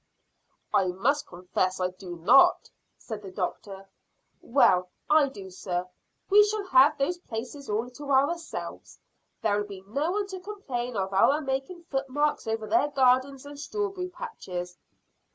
"I must confess I do not," said the doctor. "Well, I do, sir. We shall have those places all to ourselves. There'll be no one to complain of our making footmarks over their gardens and strawberry patches."